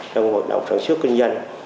trong hoạt động sản xuất kinh doanh